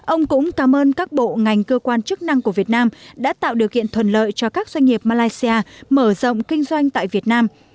ông cũng cảm ơn các bộ ngành cơ quan chức năng của việt nam đã tạo điều kiện thuận lợi cho các doanh nghiệp malaysia mở rộng kinh doanh tại việt nam